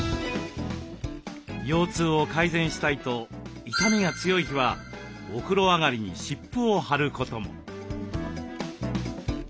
腰痛を改善したいと痛みが強い日はお風呂上がりに湿布を貼ることも。